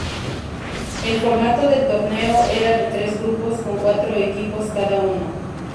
El formato del torneo era de tres grupos con cuatro equipos cada uno.